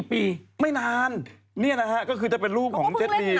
นี่นะครับก็คือจะเป็นรูปของเจ็ดดีนี่